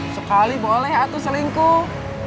sekali boleh atuh selingkuh